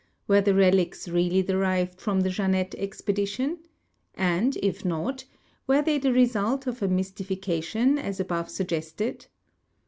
Were the relics really derived from the Jeannette expedition? and, if not, were they the result ofa mystification, as above suggested